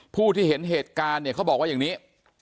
ผู้ที่เห็นเหตุการณ์เนี่ยเขาบอกว่าอย่างนี้